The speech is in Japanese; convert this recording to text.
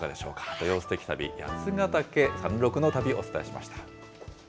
土曜すてき旅、八ヶ岳山麓の旅、お伝えしました。